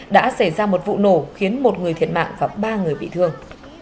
đã xảy ra một vụ nổ khiến một người thiệt mạng và ba người bị thương